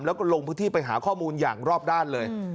แล้วก็ลงพื้นที่ไปหาข้อมูลอย่างรอบด้านเลย